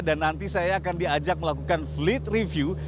dan nanti saya akan diajak melakukan fleet review